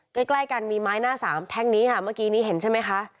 ใกล้กันมีไม้หน้าสามแท่งนี้ค่ะเมื่อกี้นี้เห็นใช่ไหมคะ